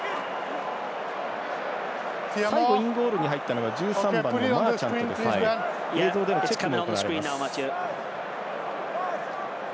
最後、インゴールに入ったのが１３番のマーチャントですが映像での確認が行われます。